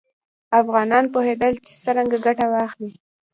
افغانان پوهېدل چې څرنګه ګټه واخلي.